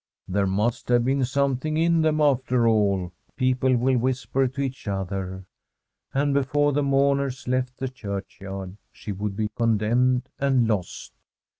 * There must have been something [ 33Z I Fr$m d SWEDISH HOMESTEAD in them, after all/ people will whisper to each other. And before the mourners left the church yard she would be condemned and lost.